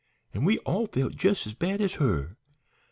An' we all felt jes' as bad as her.